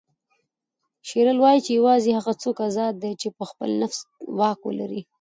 شیلر وایي چې یوازې هغه څوک ازاد دی چې په خپل نفس واک ولري.